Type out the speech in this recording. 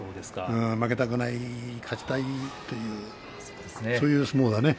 負けたくない、勝ちたいというねそういう相撲だね。